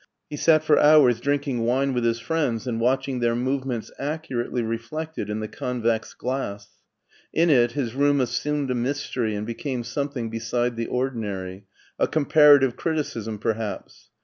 He sat for hours drinking wine with his friends and watching their movements accu rately reflected in the convex glass. In it his room assumed a mystery and became something beside the ordinary: a comparative criticism perhaps.